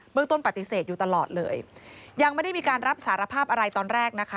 ต้นปฏิเสธอยู่ตลอดเลยยังไม่ได้มีการรับสารภาพอะไรตอนแรกนะคะ